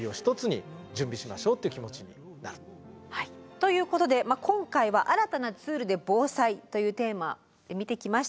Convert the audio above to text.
ということで今回は「新たなツールで防災」というテーマで見てきましたけれどもいかがでしたか？